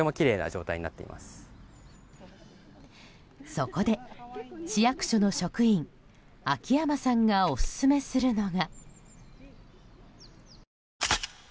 そこで、市役所の職員秋山さんがオススメするのが。